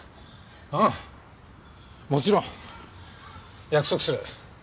ああもちろん。約束する。